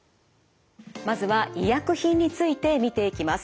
まずは医薬品について見ていきます。